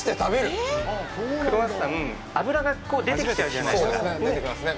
クロワッサン、油が出てきちゃうじゃないですか。